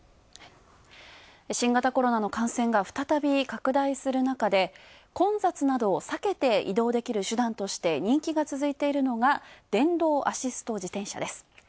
新型コロナの感染が再び拡大するなかで混雑などをさけて移動できる手段として人気が続いているのが電動アシスト自転車です。